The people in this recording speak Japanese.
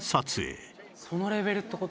そのレベルって事？